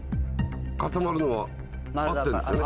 固まるのは合ってるんですよね。